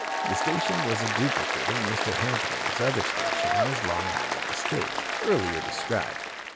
The station was a duplicate of Mr. Hampton's other station on his Long Island estate, earlier described.